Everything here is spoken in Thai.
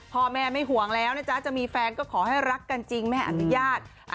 พ่อแม่ไม่ห่วงแล้วนะจ๊ะจะมีแฟนก็ขอให้รักกันจริงไม่อนุญาต